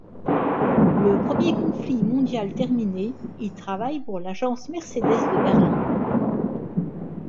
Le premier conflit mondial terminé, il travaille pour l'agence Mercedes de Berlin.